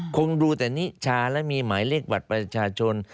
คงดูแต่นิชาและมีหมายเลขบัตรประชาชน